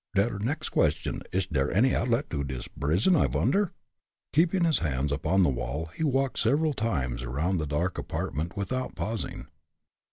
Der next question, ish der any outlet to dis brison, I vonder?" Keeping his hands upon the wall, he walked several times around the dark apartment without pausing.